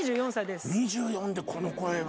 ２４でこの声は。